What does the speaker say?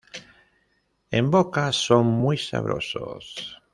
En boca son muy sabrosos.